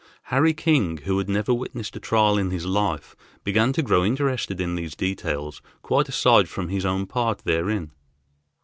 Harry King, who had never witnessed a trial in his life, began to grow interested in these details quite aside from his own part therein.